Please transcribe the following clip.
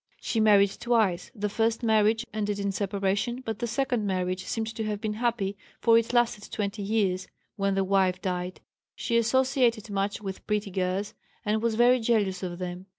She married twice; the first marriage ended in separation, but the second marriage seemed to have been happy, for it lasted twenty years, when the "wife" died. She associated much with pretty girls, and was very jealous of them.